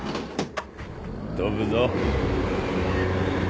飛ぶぞ。